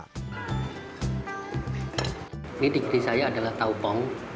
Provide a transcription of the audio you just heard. ini di kiri saya adalah tahu pong